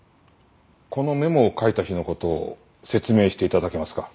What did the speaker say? このメモを書いた日の事を説明して頂けますか？